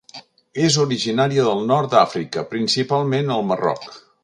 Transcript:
És originària del Nord d'Àfrica, principalment al Marroc.